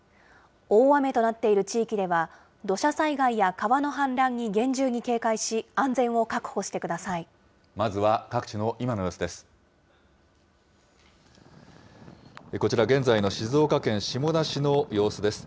大雨となっている地域では、土砂災害や川の氾濫に厳重に警戒し、まずは各地の今の様子です。